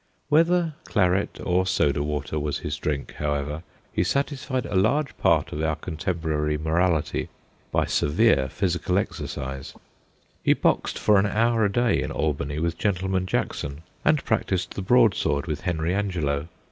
Whether claret or soda water was his drink, however, he satisfied a large part of our contemporary morality by severe phy sical exercise. He boxed for an hour a day in Albany with Gentleman Jackson, and practised the broadsword with Henry Angelo.